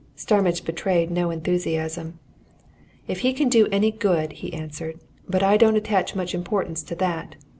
Starmidge betrayed no enthusiasm. "If he can do any good," he answered. "But I don't attach much importance to that.